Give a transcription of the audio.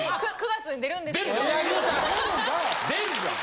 出るじゃん！